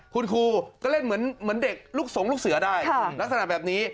คุณครูก็เล่นเหมือนเด็กลูกสงลูกเสือได้ลักษณะแบบนี้